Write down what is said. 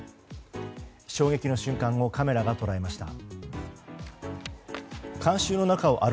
衝撃の瞬間をカメラが捉えました。